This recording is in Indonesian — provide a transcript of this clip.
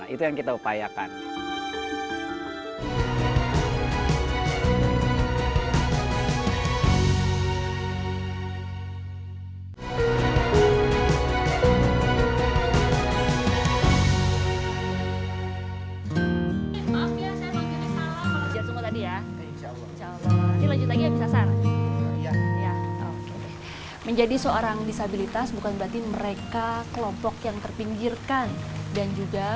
itu yang kita upayakan